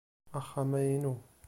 Axxam-a inu.